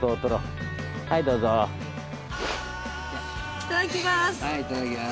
いただきます！